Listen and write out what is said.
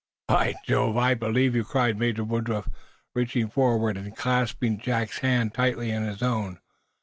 "By Jove, I believe you!" cried Major Woodruff, reaching forward and clasping Jack's hand tightly in his own.